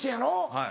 はい。